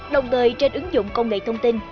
đồng thời trên ứng dụng công nghệ thông tin